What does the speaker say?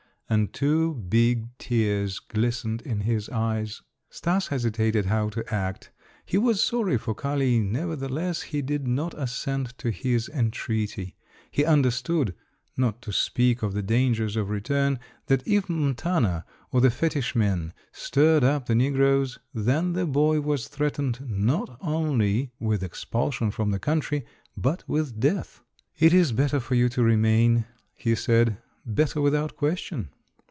And two big tears glistened in his eyes. Stas hesitated how to act. He was sorry for Kali, nevertheless, he did not assent to his entreaty. He understood not to speak of the dangers of return that if M'Tana or the fetish men stirred up the negroes, then the boy was threatened not only with expulsion from the country but with death. "It is better for you to remain," he said, "better without question."